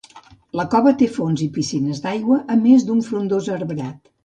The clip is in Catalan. La cova té fonts i piscines d'aigua, a més d'un frondós arbrat.